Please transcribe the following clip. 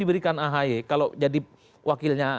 diberikan ahy kalau jadi wakilnya